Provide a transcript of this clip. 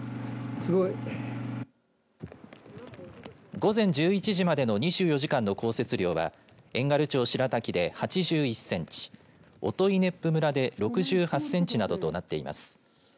午前１１時までの２４時間の降雪量は遠軽町白滝で８１センチ音威子府村で６８センチなどとなっています。